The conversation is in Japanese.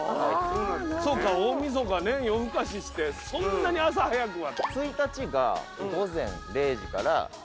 そうか大晦日ね夜更かししてそんなに朝早くは。